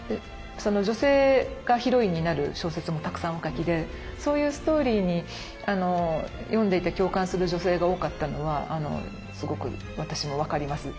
女性がヒロインになる小説もたくさんお書きでそういうストーリーに読んでいて共感する女性が多かったのはすごく私も分かります。